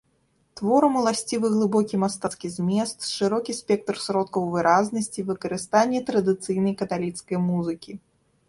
Творам уласцівы глыбокі мастацкі змест, шырокі спектр сродкаў выразнасці, выкарыстанне традыцый каталіцкай музыкі.